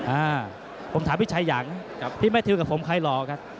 อ่าผมถามพี่ชายยังครับพี่แมททิวกับผมใครหล่อครับ